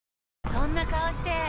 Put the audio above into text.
そんな顔して！